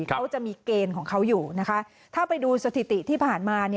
เขาจะมีเกณฑ์ของเขาอยู่นะคะถ้าไปดูสถิติที่ผ่านมา